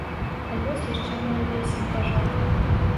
Авёс яшчэ мой увесь не пажаты.